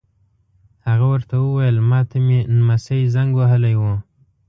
هغه ور ته وویل: ما ته مې نمسی زنګ وهلی و.